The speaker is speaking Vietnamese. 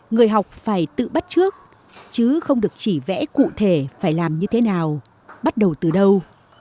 người học phải tự bắt trước chứ không được chỉ vẽ cụ thể phải làm như thế nào bắt đầu từ đâu